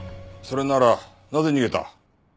それならなぜ逃げた？